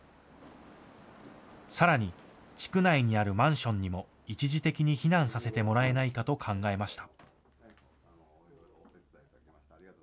さらに、地区内にあるマンションにも、一時的に避難させてもらえないかと考えました。